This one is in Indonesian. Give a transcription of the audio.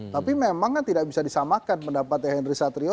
tapi memang kan tidak bisa disamakan pendapatnya henry satrio